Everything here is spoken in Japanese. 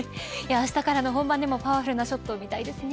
あしたからの本番でもパワフルなショット見たいですね。